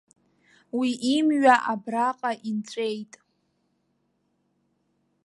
Уи имҩа абраҟа инҵәеит.